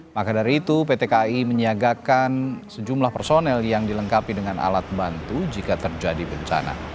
maka dari itu pt kai menyiagakan sejumlah personel yang dilengkapi dengan alat bantu jika terjadi bencana